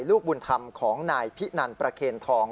ลูกบุญธรรมของนายพินันประเคนทอง